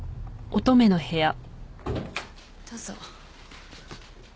どうぞ。